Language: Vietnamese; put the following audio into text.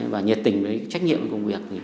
và nhiệt tình với trách nhiệm công việc